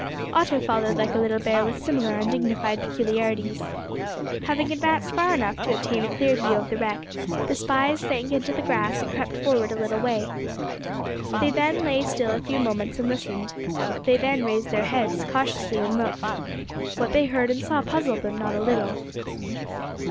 Otto followed like a little bear with similar undignified peculiarities. Having advanced far enough to obtain a clear view of the wreck, the spies sank into the grass and crept forward a little way. Then they lay still a few moments and listened. They then raised their heads cautiously and looked. What they heard and saw puzzled them not a little.